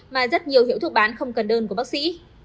mà rất nhiều hiểu thuộc bán không cần đơn của bác sĩ